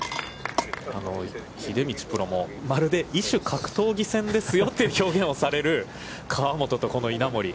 秀道プロもまるで異種格闘技戦ですよという表現をされる河本と、この稲森。